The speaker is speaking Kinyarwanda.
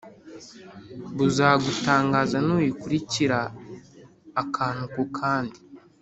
buzagutangaza nuyikurikira akantu kukandi.